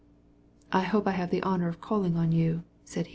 "I hope I may have the honor of calling on you," he said.